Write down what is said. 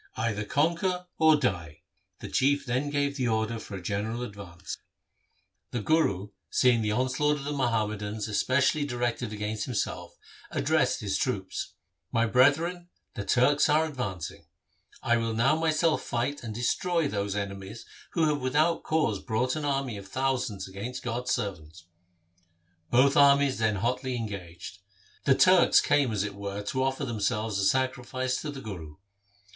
Either conquer or die.' The Chief then gave the order for a general advance. LIFE OF GURU HAR GOBIND 115 The Guru, seeing the onslaught of the Muham madans specially directed against himself, addressed his troops, ' My brethren, the Turks are advancing ; I will now myself fight and destroy those enemies who have without cause brought an army of thou sands against God's servant.' Both armies then again hotly engaged. The Turks came as it were to offer themselves as sacrifice to the Guru.